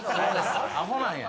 アホなんや。